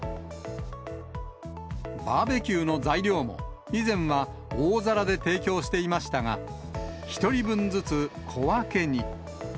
バーベキューの材料も、以前は大皿で提供していましたが、１人分ずつ小分けに。